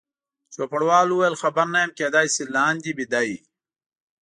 چوپړوال وویل: خبر نه یم، کېدای شي لاندې بیده وي.